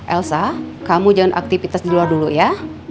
elsa kamu jangan aktivitas di luar dulu ya